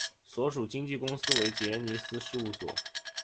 所属经纪公司为杰尼斯事务所。